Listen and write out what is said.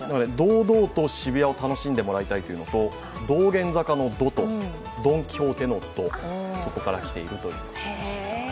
堂々と渋谷を楽しんでもらいたいというのと道玄坂のドと、ドン・キホーテのド、そこから来ているということでした。